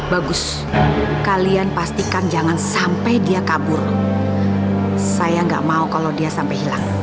bagus kalian pastikan jangan sampai dia kabur saya nggak mau kalau dia sampai hilang